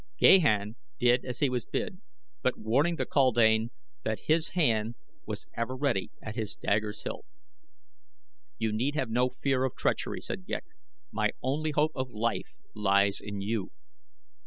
Gahan did as he was bid, but warning the kaldane that his hand was ever ready at his dagger's hilt. "You need have no fear of treachery," said Ghek. "My only hope of life lies in you."